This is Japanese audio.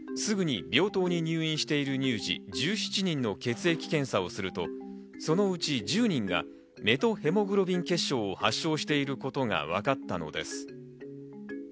すぐに病棟に入院している乳児１７人の血液検査をすると、そのうち１０人がメトヘモグロビン血症を発症していることがわかったのです。